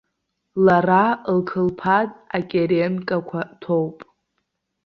Лара лқылԥад акеренкақәа ҭоуп!